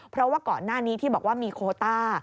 เพราะว่าก่อนหน้านี้ที่บอกว่ามีโคต้า